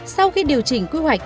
sau khi điều chỉnh quy hoạch